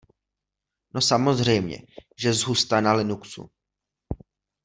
No samozřejmě, že zhusta na Linuxu.